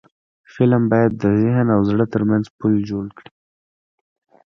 فلم باید د ذهن او زړه ترمنځ پل جوړ کړي